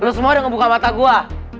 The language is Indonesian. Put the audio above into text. lo semua udah ngebuka mata gue